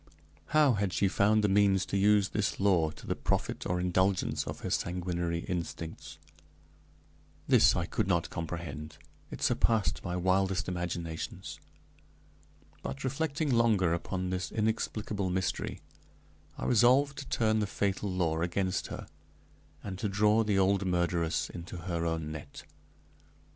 how had she found the means to use this law to the profit or indulgence of her sanguinary instincts? This I could not comprehend; it surpassed my wildest imaginations. But reflecting longer upon this inexplicable mystery, I resolved to turn the fatal law against her, and to draw the old murderess into her own net.